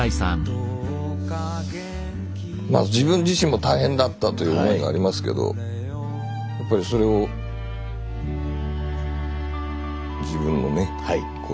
自分自身も大変だったという思いがありますけどやっぱりそれを自分のね子どもにねやっぱり強いるというか。